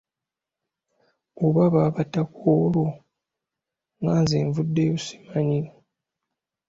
Oba baabatta ku olwo nga nze nvuddeyo simanyi.